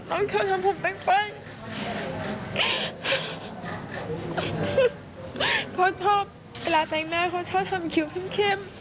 น้องเค้าทำผมตั้งไปเค้าชอบเวลาแต่งหน้าเค้าชอบทำคิวเข้ม